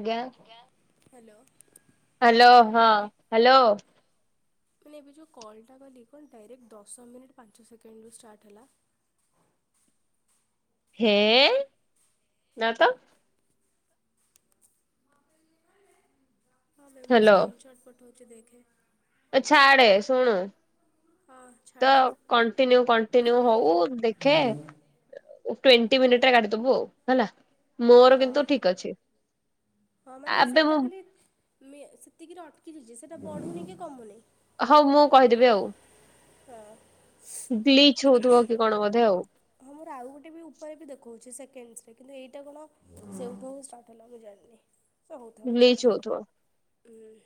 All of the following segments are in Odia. ଆଜ୍ଞା ହ୍ୟାଲୋ ହ୍ୟାଲୋ ହଁ ହ୍ୟାଲୋ ମାନେ ଏବେ ଯେଉଁ କଲ୍ଟା କଲି କଣ ଡାଇରେକ୍ଟ ଦଶ ମିନିଟ୍ ପାଞ୍ଚ ସେକେଣ୍ଡରୁ ଷ୍ଟାର୍ଟ ହେଲା ହେଁ ନା ତ ମୁଁ ସ୍କ୍ରନ୍ଟ ପଠାଉଛି ଫଟୋଉଚି ଦେଖେ ଆଛା ଆଡେ ଶୁଣୁ ହଁ ତ ଛାଡ଼ କଣ୍ଟିନ୍ୟୁ କଣ୍ଟିନ୍ୟୁ ଯାହା ହବ ହଉ ଆଉ। ଦେଖେ ଟଣ୍ଟି ହୁଁ ମିନିଟରେ ଗାଡିଦବୁ ଆଉ ହେଲା ମୋର ହଁ କିନ୍ତୁ ଠିକ ଅଛି ହଁ ମାନେ ଆବେ ସେଇଟା ମୁଁ ଖାଲି ସେତିକିରେ ଅଟକିଛି ସେ ବଢ଼ୁନି କି କମୁନି ହଉ ମୁଁ କହିଦେବି ଆଉ। ହଁ। ବ୍ଲିଚ ହଉଥିବ କି କଣ ବଧେ ଆଉ। କିନ୍ତ ଏଇଟା କଣ ସେ ମୁଁ ଜାଣିନି। ସହୁଥାଉ ଗ୍ଲିଚ ଛାଡ଼ ହଉଥିବ ହୁଁ।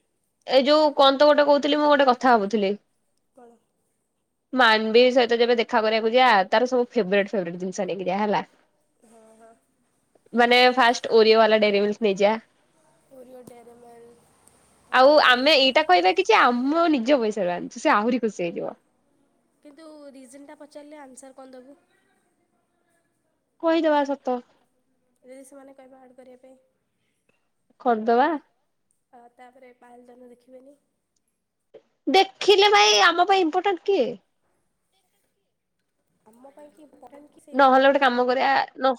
ଏଇ ଯୋଉ କଣତ ଗୋଟେ କହୁଥିଲି ମୁଁ ଗୋଟେ କଥା ଭାବୁଥିଲି। କଣ? [unintelligible] ସହିତ ଯେବେ ଦେଖା କରିବାକୁ ଯାଆ ତାର ସବୁ ଫେବରେଟ୍ ଫେବ୍ରେଟ ଜିନିଷ ନେଇକି ଜିଆ ହେଲା। ହଁ ହଁ ମାନେ ଫାଷ୍ଟ ଓରିଓ ବାଲା ଡେରି ମିଲ୍କ। ନିଜ ଓରିଓ ଦେରୀମିଲକ ଆଉ ଆମେ ଏଇଟା କହିବା କିଛି ଆମନି। ଆମ ନିଜ ପଇସାରୁ ଅନିଚେ ସେ ଆହୁରି ଖୁସି ହେଇଯିବ। କିନ୍ତୁ ରିଜନଟା ପଚାରିଲେ ଆନ୍ସର କଣ ଦେବୁ। କହି ଦବା ସତ। ଯଦି ସେମାନେ କହିବାେ ଆଡ଼୍ କରିବା ପାଇଁ କରିଦବା। ତ ତାପରେ [unintelligible] ଦେଖିବେନି। ଦେଖିଲେ ଭାଇ ଆମ ପାଇଁ ଇମ୍ପୋର୍ଟାଣ୍ଟ କିଏ। ଆମ ପାଇଁ କି ଇମ୍ପୋର୍ଟାଣ୍ଟ କି ସେଇଟା ନହେଲେ ଅଲଗା ଗୋଟେ କଥା କାମ କରିବା। ନ।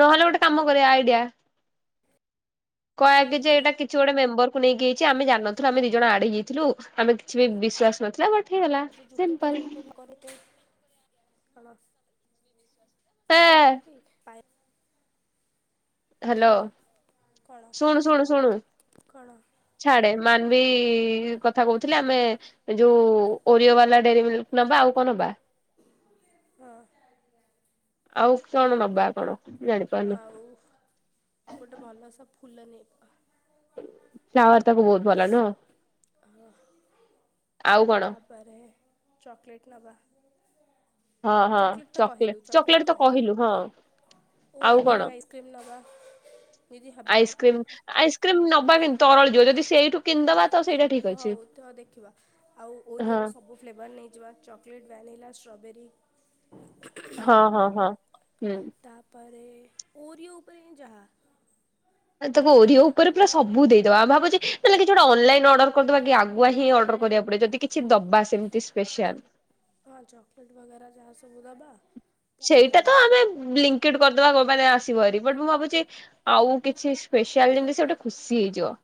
ନହେଲେ ଗୋଟେ କାମ କରିବା ଆଇଡିଆ କହିକି ଯେ କିନ୍ତୁ ଏଇଟା କିଛି ଗୋଟେ ମେମ୍ବରକୁ ନେଇିକି ହେଇଛି ଆମେ ଜାନନଥିଲୁ ଆମେ ଦି ଜଣ ଆଡେ ଯାଇଥିଲୁ। ଆମେ କିଛି ବି ବିଶ୍ଵାସ ନଥିଲା ବଟ। ହେଇଗଲା ମୁେ ଜୁପିଟା ସିମ୍ପଲ ଫ୍ରେଣ୍ଡକୁ ବି କ କ। [unintelligible] ହେ ବହିବୁ କି ପା। ହ୍ୟାଲୋ କ'ଣ ଶୁଣ ଶୁଣ ଶୁଣୁ କ'ଣ ଛାଡେ ମାନ। ବି କଥା କହୁଥିଲେ ଆମେ ଯୋଉ ଓରିଓ ବାଲା ଡେରି ମିଲ୍କ ନବା ଆଉ କଣ ନବା। ହଁ। ଆଉ କଣ ନବା କଣ। ଜାଣିପାରୁନି। ଆଉ ଗୋଟେ ଭଲ ସବ। ଫୁଲ ନେଏଇଯିବା। ଶବାର୍ ତାକୁ ବହୁତ ଭଲ ନୁହ। ତାପରେ ଚକଲେଟ୍ ନେବା। ହଁ ହଁ ଚକୋଲେଟ୍ ତ ଚଲେ କହିଲୁ ଚକୋଲେଟ୍ ଚକୋଲେଟ ତ କହିଲୁ ହଁ ଓ ଆଉ କଣ ଓରିଓ ଆଇସ୍କ୍ରିମ୍ ନେବା ଯଦି ହେବ ଆଇସ୍କ୍ରିମ ଆସ୍କ୍ରିମ୍ ନବା। କେ ତରଳ ଯିବ ଯଦି ସେଇଠୁ କିନ୍ଦବା। ହଉ ତ ଦେଖିବା ଆଉ ହଁ ଓରିଓର ସବୁ ଫ୍ଲେଭର ନେଇଯିବା ଚକୋଲେଟ୍ ଭାନିଲା। ଷ୍ଟ୍ରବେରି। ହଁ ହଁ ହଁ। ହୁଁ। ପରେ ଓରିଓ ଉପରେ ହିଁ ଯାହା। ତା ତାପରେ ଓରିଓ ଉପରେ ପୁରା ସବୁ ଦେଇଦବା ଆମେ ଭାବୁଛେ। ଲେ କିଛି ଗୋଟେ ଅନଲାଇନ୍ ଅର୍ଡର କରିଦବା କି ଆଗୁଆ ହିଁ ଅର୍ଡର କରିବାକୁ ପଡିବ ଯଦି କିଛି ଦବା ସେମିତି ସ୍ପେସିଆଲ। ହଁ ଚକଲେଟ ବଗେରା ଯାହା ସବୁ ଦବା। ସେଇଟା ତ ଆମେ ବ୍ଲିଙ୍କିଟ କରିଦବା ଆସିବହାରି ମୁଁ ଭାବୁଛି। ଆଉ କିଛି ସ୍ପେଶଆଲ ଜିନିଷ ଗୋଟେ ଖୁସି ହେଇଯିବ।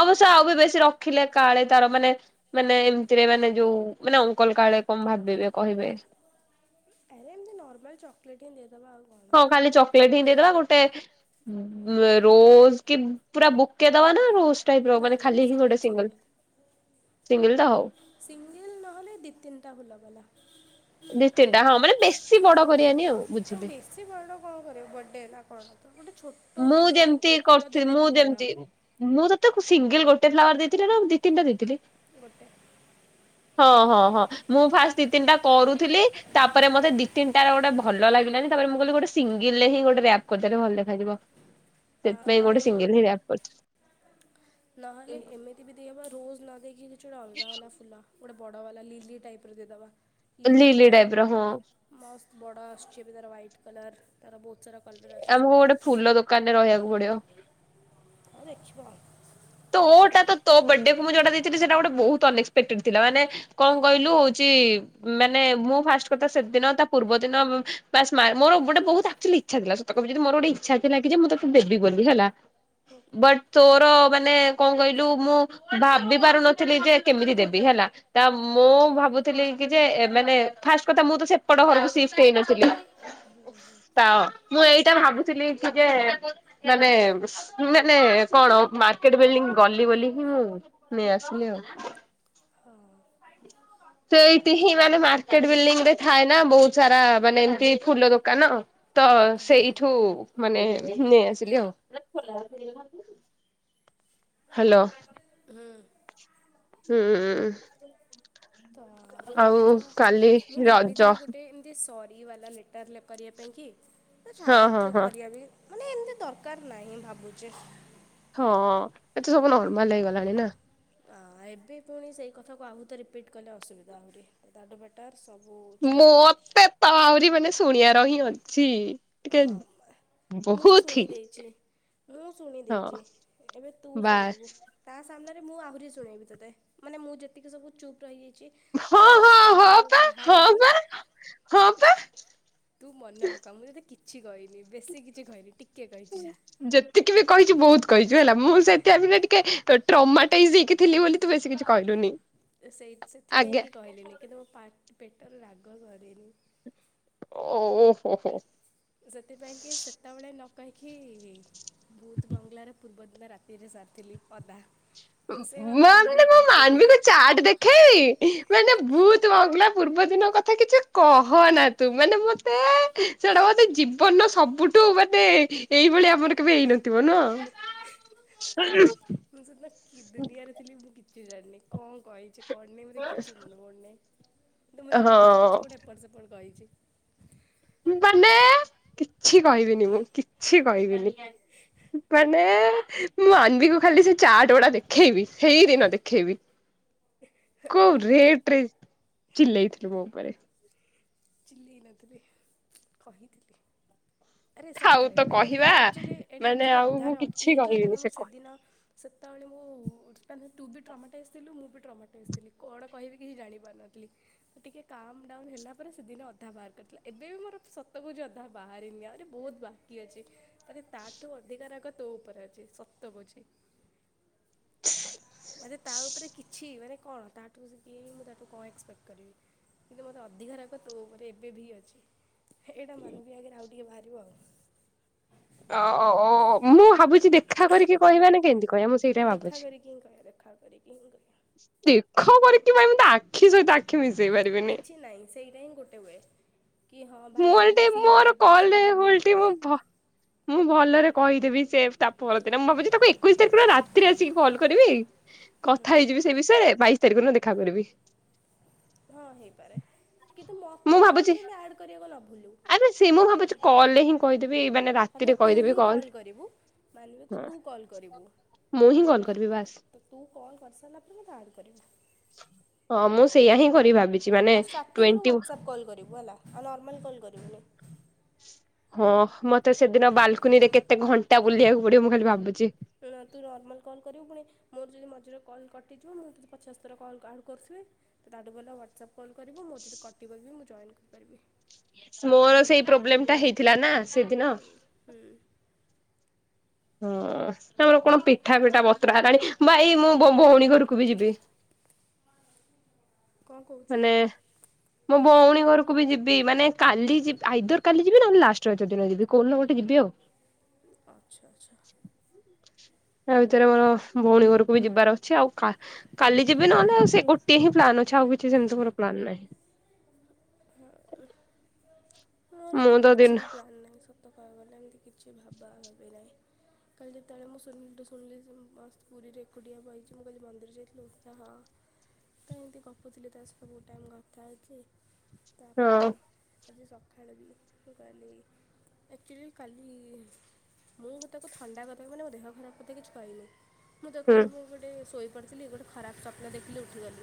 ଅବଶ୍ୟ ଆଉ ବି ବେଶୀ ରଖିଲେ କାଳେ ତାର ମାନେ ମାନେ ଏମିତିରେ ମାନେ ଯୋଉ ମାନେ ଅଙ୍କଲ କାଳେ କଣ ଭାବିବେ କହିବେ। ଆରେ ଏମିତି ନର୍ମାଲ ଚକଲେଟ ହି ଦେଇଦେବା ଆଉ। କ'ଣ ହଁ ଖାଲି ଚକୋଲେଟ ହିଁ ଦେଇଦବା ଗୋଟେ ରୋଜ କି ପୁରା ବୁକେ ଦବାନା ରୋଜ୍। ନାଇଁ ନାଇଁ ସିଙ୍ଗଲ ତ ହଉ ସିଙ୍ଗଲ ସିଙ୍ଗଲ ନହେଲେ ଦି ତିନିଟା ଭୁଲ ଗଲା। ନିୁଶ୍ଚିତା ହଁ ମାନେ ବେଶୀ ବଡ କରିବାନି ଆଉ ବୁଝିଲେ। ବେଶୀ ବଡ଼ କ'ଣ କରିବ ବର୍ଥଡ଼େ ନା କ'ଣ ତ ଗୋଟେ ଛୋଟ କି ମୁଁ ଯେମିତି ଗୋଟେ ଫୁଲ କରଥିଲି ଦେଲେ ମୁଁ ବି ଭଲ ଯେମତି ମୁଁ ତତେ ମୁ ସିଙ୍ଗଲ ଗୋଟେ ଫ୍ଲାାର ଦେଇଥିଲେ ନା ଦି ତିିଟା ଦେଇି ଗୋଟେ ହଁ ହଁ ହଁ ମୁଁ ଫାଷ୍ଟ ଦି ତିନଟାୁଥିଲି ତାପରେ ମତେ ଦି ତିନଟା ଗୋଟେ ଭଲ ଲାଗିଲାନି ତାପରେ ମୁଁ କହିଲି ଗୋଟେ ସିଙ୍ଗ ରେ ହିଁ ଗୋଟେ ରପ୍ କରିଦେଲେ ଭଲ ଦେଖାଯିବ ସେଥିପାଇଁ ଗୋଟେ ସିଙ୍ଗଲ ଆଉ ହଇିବାକୁ ପଡୁ ନହେଲେ ଏମିତି ବି ଦେଇହବା ରୋଜ ନ ଲକ ଚଡ଼ଲଗା ବାା ଫୁଲା ଗୋଟେ ବଡ ବାଲା ଲିଲି ଟାଇପ ର ଦେଇଦବା ଲି ଲିଡାଇବ୍ର ହ ବଡ ଆସୁଛି ଏ ତ ହ୍ୱାଇଟ କଲର ତାର ବହୁତ ସାରା କଲର୍ ଆସୁଛି ଆମକୁ ଗୋଟେ ଫୁଲ ଦୋକାନ ରେ ରହିବାକୁ ପଡିବ ଆଉ ଦେଖିିବା ତୋଟା ତୋ ବଡେ ମୁଁୋଟା ଦେଇଥିଲି ସେଟା ଗୋଟେ ବହୁକ୍ପଟେ ଥିଲା ମାନେ କଣ କହିଲୁ ହଉଛି ମାନେ ମୁଁ ଫା କଥା ସେଦିନ ତା ପୂର୍ବ ଦିନ ମୋର ଗୋଟେ ଇଛ ଥିଲା କି ମୋର ଗୋଟେ ଇଛ ଥିଲା କି ମୁଁ ତାକୁ ଦେବି ବୋଲି ହେଲା ହୁଁ। ବଟ ତୋର ର ମାନେ କଣ କହିଲୁ ମୁଁ ଭାବି ପାରୁନଥିଲି ଯେ କେମିତି ଦେବି ହେଲା ତା ହୁଁ। ମୁଁ ଭାବୁଥିଲି କି ଯେ ମାନେ ଫାଷ୍ଟ କଥା ମୁଁ ତ ସେପଟ ଘରକୁ ସି୍ ହେଇନଥିଲି ହୁଁ ହୁଁ ତ ମୁଁ ଏଇଟା ଭାବୁଥିଲି କି ଯେ ମାନେ ମାନେ କଣ ମାର୍କେଟ ବିଲ୍ଡିଂ ଗଲି ବୋଲି କି ନେଇ ଆସିଲି ଆଉ। ହଁ। ସେଇଠି ହିଁ ମାନେ ମାର୍କେଟ ବିଲଡିଂ ରେ ଥାଏ ନା ବହୁତ ସାରା ମାନେ ଏମତି ଫୁଲ ଦୋକାନ ତ ହଁ ସେଇଠୁ ମାନେ ନେଇ ଆସିଲି ଆଉ। ହାଲୋ। ହଁ ହୁଁ। ହୁଁ। ତ ଆଉ କାଲି ରଜ। ରି ବାଲା ଲେଟର୍ ଲ କରିବା ପାଇଁ କି? ହଁ ଛାଡ ହଁ ଏତେ ହଁ। କରିବା ବି ମାନେ ଏମିତି ଦରକାର ନାହିଁ ଭାବୁଛି। ହଁ ଏତେ ସବୁ ନର୍ମାଲ ହେଇଗଲାଣି ନା। ଆ ଏବେ ପୁଣି ସେଇ କଥା କ ଆହୁ ତ ରିପିଟ କଲେ ଅସୁବିଧା ଆହୁରି ତାଠୁ ବେଟର। ମତେ ତ ଆହୁରି ମାନେ ଶୁଣିବାର ହିଁ ଅଛି। ଟିକେ ହଁ ମୁଁ ବହୁତ ଶୁଣି ହି ଦେଇଛି ମୁଁ ଶୁଣି ହଁ ଦେଇଛି ଏବେ ତୁ ବାସ୍। ଶୁଣିବୁ ତା ସାମ୍ନାରେ ମୁଁ ଆହୁରି ଶୁଣେଇବି ତତେ ମାନେ ମୁଁ ଯେତିକି ସବୁ ଚୁପ୍ ରହିଯାଇ ଚି ହଁ ମାନେ ମୋ ହଁ ହଁ ପାଟରୁ ପା ହଁ ବାହାରିନି ପା ହଁ ପା ତୁ ମନେ ପକା ମୁଁ ଯ କିଛି କହି ଯେତିକି ବି କହିଛି ବହୁତ କହି ଚି ହେଲା ମୁଁ ସେ ଟାଇମ ଟିକେ ଟ୍ର ମାଟ ଟାଇଯ ହେଇଖକି ଥିଲି ବୋଲି ତୁ ବେଶୀ କିଛି କହିଲୁନି। ସେଇ ସେଥିପାଇଁ ଆଜ୍ଞା କି କହିଲିନି କିନ୍ତୁ ମୋ ପା ପେ ପଟରେ ରାଗ ସରିନି। ଓ ହୋ ହୋ। କାହିଁକି ଭୁଥ ବଙ୍ଗଲାର ପୂର୍ବଦିନ ରାତିରେ ସାରିଥିଲି ଅଧା। ସେ ଅଧା ମା ଆହୁରି ମାନେ ବି ମୁ କମ୍ପ୍ଲିଟ୍ ହେଇନି। ମାନବିକୁ ଚାଟ ଦେଖେଇବି ମାନେ ଭୂତବଙ୍ଗଲା। ପୂର୍ବ ଦିନ କଥା କିଛି କହନା ତୁ ମାନେ ମତେ ସେଟା ବୋଧେ ଜୀବନ ସବୁଠୁ ମାନେ ଏଇଭଳିଆ ଆମର କେବେ ହେଇନଥିବ ନୁହ। ମୁଁ ସେଦିନ କି ଦୁନିଆରେ ଥିଲି ମୁଁ କିଛି ଜାଣିନି। କଣ କହିଛି। କଣ ନାଇଁ ମୋତେ କିଛି ମନେ ପଡୁ ନାହିଁ କିନ୍ତୁ ମୁଁ ଜାଣିଛି କିଛି ହଁ ଗୋଟେ ଏପଟ ସେପଟ। କଇଛି। ମାନେ କିଛି କହିବିନି ମୁଁ କିଛି କହିବିନି। ମାନେ ମୁ ମାନବି କୁ ଖାଲି ସେ ଚାଟ ଗୁଡା ଦେଖେଇବି ହେଇଦିନ ଦେଖେଇବି। କଉ ମାନିବି ରେଟରେ। ଚିଲେଇ ଥିଲୁ ମୋ ଉପରେ ଚିଲେଇ ନଥିଲି କହିଥିଲି। ଆରେ ଥାଉ ସତରେ ତ ନା କହିବା ଏଇଟା ଆକଚୁଲି ଏଇଟା ମାନେ ଆକ୍ଚୁଆଲି ଆଉ ମୁଁ ଅଧାରେ କିଛି ଅଟକିଯାଇଥିଲା କହିବିନି କାହିଁକନା ସେ ମୁଁ ସେଦିନ ସେତେବେଳେ ମୁଁ। ତୁ ବି ଟ୍ରମାଟୋ ଆସିଥିଲୁ। ମୁଁ ବି ଟ୍ରମାଟୋ ଆସିଥିଲି କଣ କହିବି କିହି ଜାଣିପାରୁନଥିଲି ଟିକି କାମ ଡାଉନ୍ ହେଲା ଅଧା ବା କରିଥିଲା ଏବେ ବି ମୋର ସତ କହୁଛି ଅଧା ବାହାରି ବହୁତ ବାକି ଅଛି ମାନେ ତାଠୁ ଅଧିକ ରାଗ ତୋ ଉପରେ ଅଛି ସତ କହୁଛି ମେ ତା ଉପରେ କିଛି ମାନେ କଣ ତାଠୁ ମୁଁଠୁ କଣ କରିବି କିନ୍ତ ମତେ ଅଧ ତୋ ଉପରେ ଏବେ ବି ଅଛି ଏଇଟା ମନ ବି ଆଗରେ ଆଉ ଟିକେ ବାହାରିବ ଆଉ ଓ ଓ ଓ ମୁଁ ଭାବୁଛି ଦେଖା କରିକି କହିବାନି କେମିତି କହିବା ମୁଁ ସେଇଟା ଦେଖା କରି କିିଁ କହ ଦେଖା କର [unintelligible] ଦେଖ କରିକି ଭାଇ ମତେ ଆଖି ସହିତ ଆଖି ମିଶ କିଛି ନାଇଁ ସେଇଟା ହିଁ ଗୋଟେ ଗୋଟେ ୱେ କି ହଁ ଭାଇ ଓଲଟି ମୁଁ ଫିଲ୍ ମୋର କରିପାରୁଛି କଲରେ ମୋ ଓଲଟି ଭୁଲଟା ମୁଁ ଭ ମୁଁ ଭଲରେ କହିଦେବି ସେ ତା ପର ଦିନ ମୁଁ ଭାବୁଛି ତାକୁ ଏକୋଇଶ ତାରିଖ ରାତିରେ ଆସିକି କଲ୍ କରିବି କଥା ହେଇଯିବି ସେ ବିଷୟରେ? ବାଇଶି ତାରିଖ ଦିନ ଦେଖା କରିବି ହଁ ହେଇପାରେ କିନ୍ତୁ ମୁଁ ମୋତେ କଲରେ ଭାବୁଛି ଯେମିତି ଆଡ଼୍ କରିବାକୁ ନ ଭୁଲୁ ଆରେ ସେ ମୁଁ ଭାବୁଛି କଲରେ ହିଁ କହି ହେଲେ ତୁ ହିଁ କଲ୍ କରିବୁ ମାନିବିକୁ ହଁ। ତୁ କଲ୍ କରିବୁ ମୁଁ ହିଁ କଲ୍ କରିବି ବାସ୍ ତ ତୁ କଲ୍ କରିସାରିଲା ପରେ ମୋ କଣ କରିବୁ ହଁ ମୁଁ ସେଇୟା ହିଁ କରିବି ଭାବିଛି ମାନେ ଆଉ ଷ୍ଟାର୍ଟିଂରୁ ଟ୍ୱେଣ୍ଟି ହ୍ଵାଟ୍ସଆପ୍ କଲ୍ କରିବୁ ହେଲା ଆଉ ନର୍ମାଲ କଲ୍ କରିବୁନି। ହଁ ମତେ ସେଦିନ ବାଲକୁନି ରେ କେତେ ଘଣ୍ଟା ବୁଲିବାକୁ ପଡିବ ମୁଁ ଖାଲି ଭାବୁଛି। ତୁ ନର୍ମାଲ୍ କଲ୍ କରିବୁ ପୁଣି ମୋର ଯଦି ମଝିରେ କଲ୍ କଟିଯିବ ମୁଁ ତତେ ପଛାଶଥର କଲ୍ ଆହୁରି କରୁଥିବି ତ ତାଠୁ ଭଲ ହ୍ୱାଟ୍ସଆପ୍ କଲ କରିବୁ ମୋର ଯଦି କଟିବ ମୁଁ ଜଏନ୍ କରପାରିବି। ମୋର ସେଇ ପ୍ରୋବ୍ଲେମ ଟା ହେଇଥିଲା ନା ସେଦିନ ହୁଁ ହୁଁ ହଁ ଆମର କଣ ପିଠା ପିଠା ବତ୍ରା ହେଲାଣି ଭାଇ ମୁଁ ଭ ଭ ଭଉଣୀ ଘରକୁ ବି ଯିବି। କଣ କହୁଛୁ? ମାନେ ମୋ ଭଉଣୀ ଘରକୁ ବି ଯିବି ମାନେ କାଲି ଯି ଆଇଦର କାଲି ଯିବି ନହେଲେ ଲାଷ୍ଟ ରଜ ଦିନ ଯିବି କହୁନି ଗୋଟେ ଯିବି ଆଉ। ଆଚ୍ଛା ଆଚ୍ଛା। ତା ଭିତରେ ମୋର ଭଉଣୀ ଘରକୁ ବି ଯିବାର ଅଛି ଆଉ କା କାଲି ଯିବି ନହେଲେ ଆଉ ସେ ଗୋଟିଏ ହିଁ ପ୍ଲାନ୍ ଅଛି ଆଉ କିଛି ସେମିତି ମୋର ପ୍ଲାନ୍ ନାହିଁ। ହଁ ମୋର ମୁଁ ଏଥିର ତ ଦିନ କିଛି ବି ପ୍ଲାନ୍ ନାହିଁ ସବୁ କହିବାର ନା ଏମିତି କିଛି ଭାବା ଭାବି ନାହିଁ କାଲି ଯେତେବେଳେ ମୁଁ ଶୁନିଲି ଠୁ ଶୁଣିଲି ସେ ମସ୍ତ ପୁରୀରେ ଏକୁଟିଆ ବଇଛି ମୁଁ କହିଲି ମନ୍ଦିର ଯାଇଥିଲି ହଁ ତ ଏମିତି ଗପୁଥିଲି ତା ସହିତ ବହୁ ଟାଇମ୍ କଥା ହେଇଛି ହଁ। ତାପରେ ଆଜି ସକାଳୁ ବି ମୁଁ କହିଲି ଆକ୍ଚୁଆଲି କାଲି ମୁଁ ତାକୁ ଥଣ୍ଡା କଥା ମାନେ ମୋ ଦେହ ଖରାପ କଥା କିଛି କହିନି। ମୁଁ ତାକୁ ହୁଁ କହିଲି ମୁଁ ଗୋଟେ ସୋ କରିଥିଲି ଗୋଟେ ଖରାପ ସପ୍ନ ଦେଖିଲି ଉଠିଗଲି।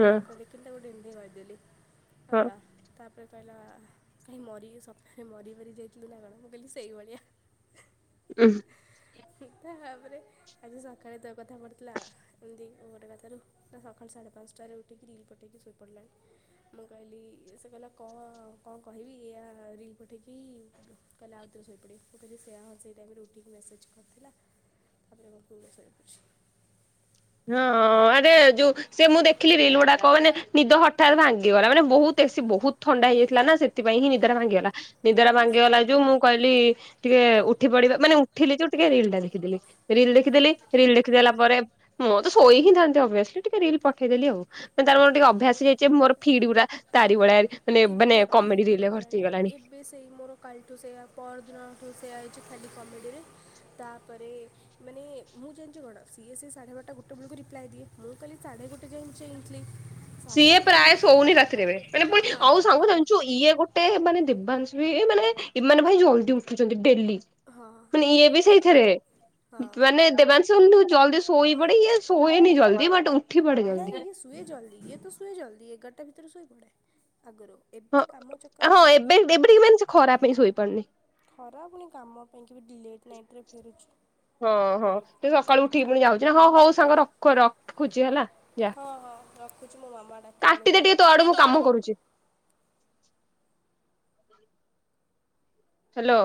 ହଁ ଦେଖି କରିଦେଲି। ହଁ ହେଲା ତାପରେ କହିଲା କାହିଁ ମରି ସପ୍ନରେ ମରି ମରି ଯାଇଥିଲୁ ନା କଣ ମୁଁ କହିଲି ସେଇଭଳିଆ ଉଁ। ତାପରେ ଆଜି ସକାଳେ ତ କଥା ପ଼ଥିଲା ଏମିତି ଗୋଟେ କଥାରୁ ନା ସକାଳ ସାଢ଼େ ପାଞ୍ଚଟାରେ ଉଠିକି ରିଲ୍ ପଠେଇକି ଶୋଇପଡ଼ିଲାଣି ମୁଁ କହିଲି ସେ କହିଲା କଣ କଣ କହିବି ଏଇ ରିଲ୍ ପଠେଇକି କହିଲେ ଆଉଥରେ ଶୋଇପଡ଼ିବି ମୁଁ କହିଲି ସେୟା ହ ସେଇ ଟାଇମେ ଉଠିକି ମେସେଜ୍ ଥିଲା ତାପରେ ଆମର କୁ ଗ ସରେ ପୁଛି ହଁ ଆରେ ଯୋଉ ସେ ମୁଁ ଦେଖିଲି ରିଲ ଗୁଡାକ ମାନେ ନିଦ ହଠତ୍ ଭାଙ୍ଗିଗଲା ମାନେ ବହୁତ ଏି ବହୁତ ଥଣ୍ଡା ହେଇଯାଇଥିଲା ନା ସେ ସେଥିପାଇଁ ହିଁ ନିଦରା ଭାଙ୍ଗିଗଲା ନିଦାରା କାଲି ଭାଙ୍ଗିଗଲା ଯୋଉ ମୁଁ କହିଲି ଟିକେ ଉଠି ପଡିବା ମାନେ ଉଠିଲି ଜଉ ଟିକେ ରିଲ ଟା ଦେଖିଦେଲି ରିଲ ଦେଖିଦେଲି ରିଲ ଦେଖିଦେଲା ପରେ ମୁଁ ତ ଶୋଇ ହିଁ ଥାନ୍ତି ଅଭିଅସଲି ଟିକେ ରିଲ ପଠେଇଦେଲି ଆଉ ମାନେ ତାର ମୋର ଟିକେ ଅଭ୍ୟାସ ତାପରେ ହେଇଯାଇଛି ମୋର ଫିଡ୍ ଗୁରା ତାରି ଭଳିଆ ମାନେ ମାନେ ଏବେ ଧୀରେ କମେଡି ରିଲ ଧୀରେ ରେ ଭର୍ତ୍ତି ହେଲାଣି ହେଇଗଲାଣି। ଏବେ ସେଇ ମୋର କାଲିଠୁ ସେଇଆ ପରଦିନଠୁ ସେଆ ଖାଲି କମେଡ଼ିରେ ତାପରେ ମାନେ ମୁଁ ଜାଣିଛି କଣ ସିଏ ସିଏ ସାଢ଼େ ବାରଟା ଗୋଟେ ବେଳକୁ ରିପ୍ଲାଏ ଦିଏ ମୁଁ କାଲି ସାଢ଼େ ଗୋଟେ ଯାଇ ଆଣିଥିଲି। ସିଏ ପ୍ରାୟ ଶୋଉନି ରାତିରେଳେ ମାନେ ପୁଣି ହଁ ଆଉ ସାଙ୍ଗ ସାଙ୍ଗୁଛୁ ଇଏ ଗୋଟେ ଏତେ ମାନେ ଦିବଂଶ ବି ମାନେ ମାନେ ଭାଇ ଜଲଦି ଉଠୁଛନ୍ତି ଡେଲି ହଁ ମାନେ ଇଏ ଏଇଟା ବି ଗୋଟେ କଥା ସେଇଥିରେ ମାନେ ହଁ ଦେବାଂଶ ଜଲଦି ସୋଇ ବଡ଼ିି ସୋଇଏ ନ ଚଲଦ ବଟ ନାଁ ସୁଏ ଜଲଦ ତ ସୋଇ ଜଲ୍ଦୀ ଏଗାରଟା ଭିତରେ ସୋଇ ପଡ଼େ। ହଁ ହଁ ଏବେ ଏବେଠିକ ମାନେ ସେ ଖରା ପାଇଁଁ ଶୋଇପାରୁନି। ଖରା ପୁଣି କାମ ପାଇଁ ଲଟ୍ ନାଇଟରେ ଫେରୁଛି ହଁ ହଁ ସେ ସକାଳୁ ଉଠିକି ପୁଣି ଯାଉଛି ନା ହଁ ହଉ ସାଙ୍ଗ ରଖ ରଖୁଛି ହେଲା। ଯା ମୁଁ କାଟିଦେ ମାମା ଟିକେ ତୋ ଆଡୁ ମୁଁ ଡକ କାମ କରୁଛି ଲଣି ପ ହାଲୋ